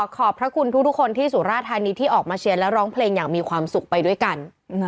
ขอบพระคุณทุกคนที่สุราธานีที่ออกมาเชียร์และร้องเพลงอย่างมีความสุขไปด้วยกัน